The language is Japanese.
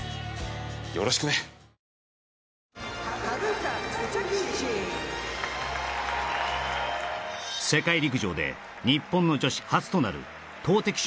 うわわ世界陸上で日本の女子初となる投てき